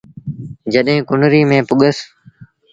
جڏهيݩ ڪنريٚ ميݩ پُڳس ۔